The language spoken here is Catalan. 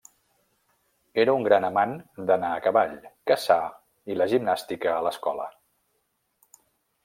Era un gran amant d'anar a cavall, caçar i la gimnàstica a l'escola.